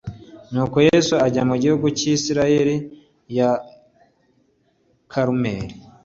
nuko yesu ajya mu gihugu cy i kayisariya ya karumeri